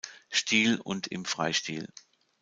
Stil und im Freistil.